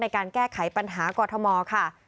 ในการแก้ไขปัญหากรทมค่ะ